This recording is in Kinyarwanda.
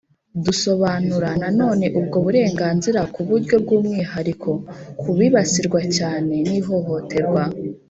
Dusobanura nanone ubwo burenganzira ku buryo bw’umwihariko, ku bibasirwa cyane n’ihohoterwa